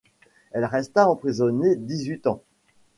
Elle resta emprisonnée dix huit ans.